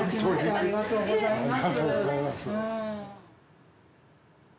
ありがとうございます。